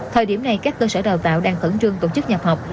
thời điểm này các cơ sở đào tạo đang thẩn trương tổ chức nhập học